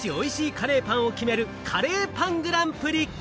カレーパンを決めるカレーパングランプリ。